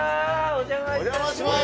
お邪魔します。